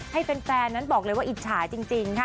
ให้แฟนนั้นบอกเลยว่าอิจฉาจริงค่ะ